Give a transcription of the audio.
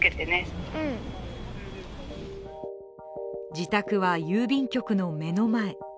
自宅は郵便局の目の前。